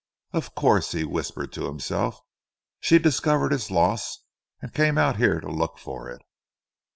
"Of course!" he whispered to himself, "she discovered its loss and came out here to look for it."